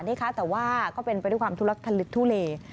แต่ว่าก็เป็นไปด้วยความทุลักทะลึกทุเล